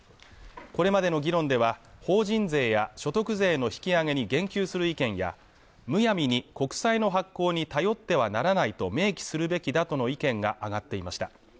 これまでの議論では法人税や所得税の引き上げに言及する意見やむやみに国債の発行に頼ってはならないと明記するべきだとの意見が上がっていました